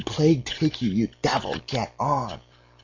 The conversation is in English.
plague take you, you devil! Get on!"